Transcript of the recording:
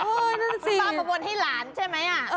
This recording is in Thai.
คุณป้ามาบนให้หลานใช่ไหม